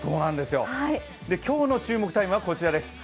今日の注目タイムはこちらです。